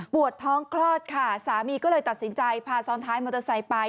ปวดท้องคลอดค่ะสามีก็เลยตัดสินใจพาซ้อนท้ายมอเตอร์ไซค์ไป